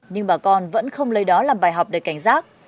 nhưng bà con vẫn không lấy đó làm bài học để cảnh giác